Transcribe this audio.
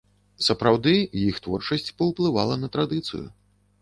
Сапраўды, іх творчасць паўплывала на традыцыю.